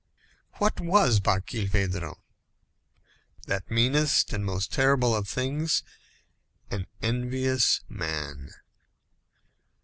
What was Barkilphedro? That meanest and most terrible of things an envious man.